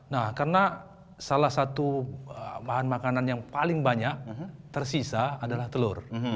nah karena salah satu bahan makanan yang paling banyak tersisa adalah telur